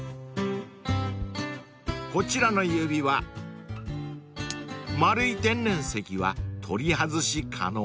［こちらの指輪丸い天然石は取り外し可能］